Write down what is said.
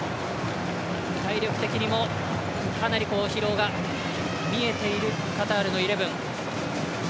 体力的にもかなり疲労が見えているカタールのイレブン。